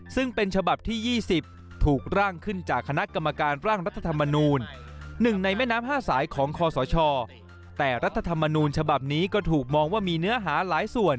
ซึ่งเป็นฉบับที่๒๐ถูกร่างขึ้นจากคณะกรรมการร่างรัฐธรรมนูล